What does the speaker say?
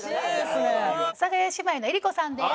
阿佐ヶ谷姉妹の江里子さんです。